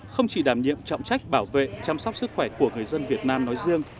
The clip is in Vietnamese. không chỉ đảm nhiệm trọng trách bảo vệ chăm sóc sức khỏe của người dân việt nam nói riêng